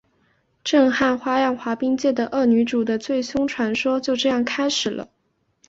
震撼花样滑冰界的恶女主角的最凶传说就这样开始了！